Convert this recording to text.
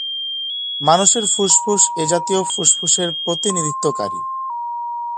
মানুষের ফুসফুস এজাতীয় ফুসফুসের প্রতিনিধিত্বকারী।